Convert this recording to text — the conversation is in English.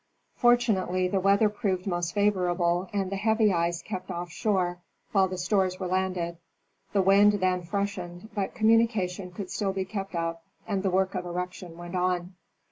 Fortunately the weather proved most favorable and the heavy ice kept off shore while the stores were landed; the wind then freshened, but communication could still be kept up and the work of erection went on.